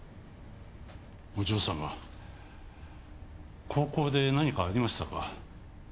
お嬢様高校で何かありましたか？